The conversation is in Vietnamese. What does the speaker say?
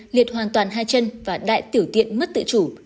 liệt hoàn toàn hai chân và đại tiểu tiện mất tự chủ